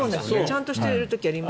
ちゃんとしている時あります。